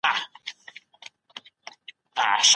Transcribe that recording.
د چاپيريال ساتني اصولو ته جدي پاملرنه وکړئ.